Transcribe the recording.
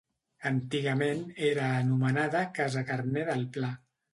Antigament era anomenada Casa Carner del Pla.